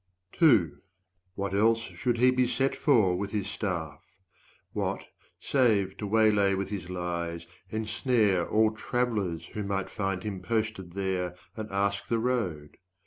What else should he be set for, with his staff? What, save to waylay with his lies, ensnare All travelers who might find him posted there, And ask the road?